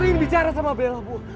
aku ingin bicara sama bella bu